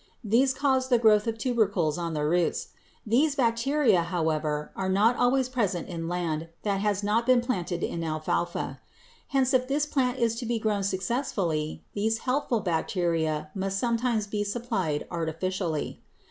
These cause the growth of tubercles on the roots. These bacteria, however, are not always present in land that has not been planted in alfalfa. Hence if this plant is to be grown successfully these helpful bacteria must sometimes be supplied artificially.